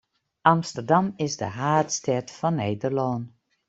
Amsterdam is de haadstêd fan Nederlân.